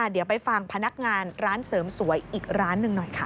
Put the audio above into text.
เดี๋ยวไปฟังพนักงานร้านเสริมสวยอีกร้านหนึ่งหน่อยค่ะ